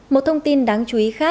một thông tin đáng chú ý khác